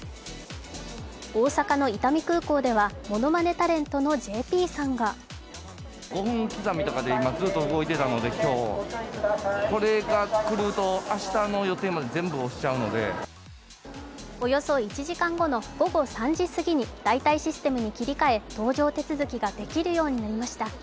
大阪の伊丹空港ではものまねタレントのＪＰさんがおよそ１時間後の午後３時過ぎに、代替システムに切り替え、搭乗手続きができるようになりました。